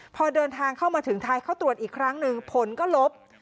พอเดินทางเข้ามาถึงไทยเข้าตรวจอีกครั้งหนึ่งผลก็ลบ